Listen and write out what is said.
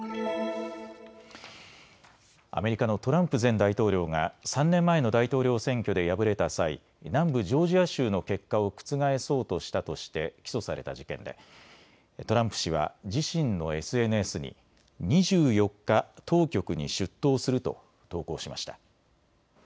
アメリカのトランプ前大統領が３年前の大統領選挙で敗れた際、南部ジョージア州の結果を覆そうとしたとして起訴された事件でトランプ氏は自身のＳＮＳに２４日、当局に出頭すると投稿しました。